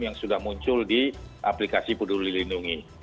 yang sudah muncul di aplikasi peduli lindungi